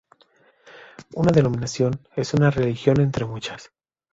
Una denominación es una religión entre muchas.